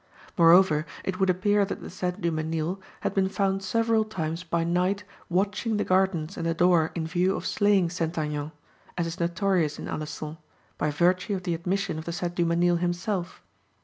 "Moreover, it would appear that the said Dumesnil had been found several times by night watching the gardens and the door in view of slaying St. Aignan, as is notorious in Alençon, by virtue of the admission of the said Dumesnil himself.